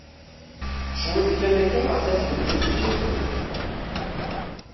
Cwiṭ kan akka attah teldi-d tewwurt-nni.